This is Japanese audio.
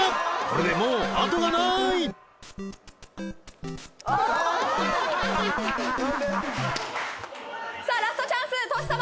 これでもうあとがないさあラストチャンスとし様